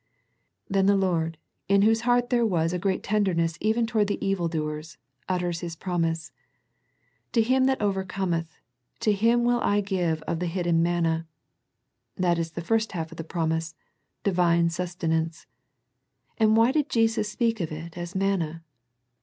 Then the Lord, in Whose heart there was a great tenderness ,even toward thie evil doers, utters His promise. "To him that overcometh, to him will I give of the hid den manna." That is the first half of the promise, Divine sustenance. And why did Jesus speak of it as manna?